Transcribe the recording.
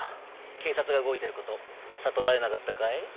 警察が動いてる事悟られなかったかい？